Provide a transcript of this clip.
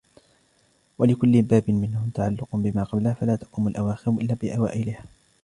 وَلِكُلِّ بَابٍ مِنْهُ تَعَلُّقٌ بِمَا قَبْلَهُ فَلَا تَقُومُ الْأَوَاخِرُ إلَّا بِأَوَائِلِهَا